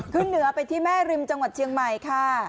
ขึ้นเหนือไปที่แม่ริมจังหวัดเชียงใหม่ค่ะ